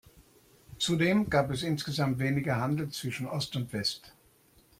Zudem gab es insgesamt weniger Handel zwischen Ost und West.